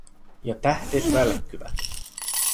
Ja tähdet välkkyvät.